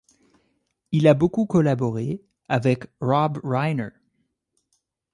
Il a beaucoup collaboré avec Rob Reiner.